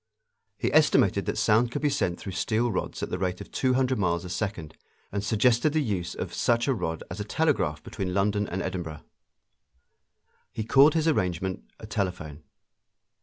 He estimated that sound could be sent through steel rods at the rate of two hundred miles a second and suggested the use of such a rod as a telegraph between London and Edinburgh. He called his arrangement a telephone.